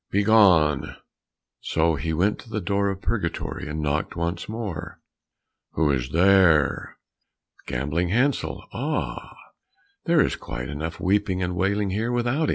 Begone!" So he went to the door of Purgatory, and knocked once more. "Who is there?" "Gambling Hansel." "Ah, there is quite enough weeping and wailing here without him.